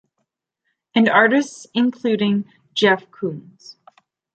And artists including Jeff Koons.